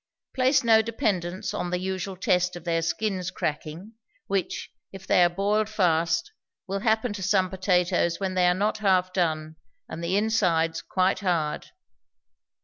Place no dependence on the usual test of their skins cracking, which, if they are boiled fast, will happen to some potatoes when they are not half done, and the insides quite hard.